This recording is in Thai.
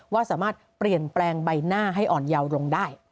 ว่าสามารถเปลี่ยนแปลงใบหน้าให้อ่อนเยาว์ลงได้